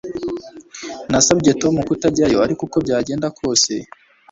Nasabye Tom kutajyayo ariko uko byagenda kose